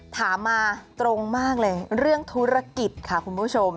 ถามมาตรงมากเลยเรื่องธุรกิจค่ะคุณผู้ชม